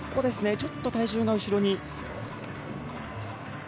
ちょっと体重が後ろに。